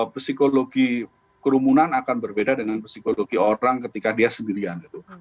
psikologi kerumunan akan berbeda dengan psikologi orang ketika dia sendirian gitu